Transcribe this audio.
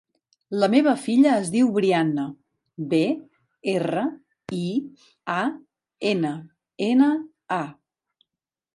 La meva filla es diu Brianna: be, erra, i, a, ena, ena, a.